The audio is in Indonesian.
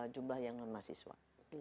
jumlah yang non mahasiswa